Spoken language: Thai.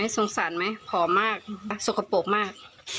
สงสารไหมผอมมากสกปรกมาก